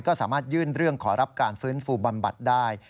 ก็สามารถยื่นเรื่องขอรับการฟื้นฟูบำบัดได้